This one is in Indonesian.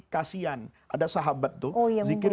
kasian ada sahabat tuh zikir